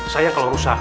sayang kalau rusak